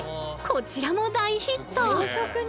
こちらも大ヒット！